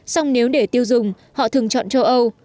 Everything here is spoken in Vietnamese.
xong nếu để tiêu dùng họ thường chọn châu âu